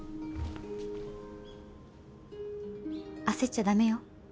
焦っちゃ駄目よ。